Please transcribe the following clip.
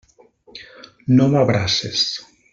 No m'abraces.